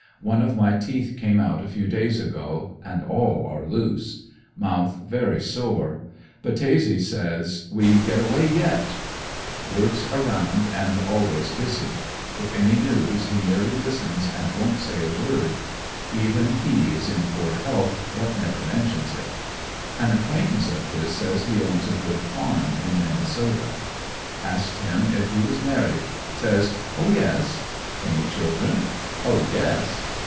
One of my teeth came out a few days ago, and all are loose. Mouth very sore. Battese says: '*We get away yet." Works around and ANDER80NVILLE DIARY. 75 always busy. If any news, he merely listens and don't say a word. Even he is in poor health, but never mentions it. An acquaintance of his says he owns a good farm in Minnesota. Asked him if he was married — saj^s: ''Oh, yes." Any children? "Oh, yes."